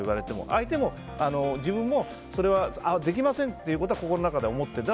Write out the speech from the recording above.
相手も、自分はそれはできませんっていうことは心の中で思っている。